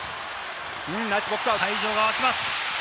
会場が沸きます。